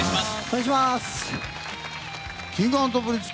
Ｋｉｎｇ＆Ｐｒｉｎｃｅ